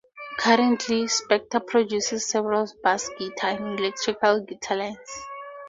Currently, Spector produces several bass guitar and electric guitar lines.